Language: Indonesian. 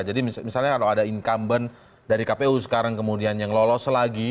jadi misalnya kalau ada income band dari kpu sekarang kemudian yang lolos lagi